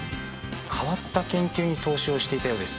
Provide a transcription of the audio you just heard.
変わった研究に投資をしていたようです。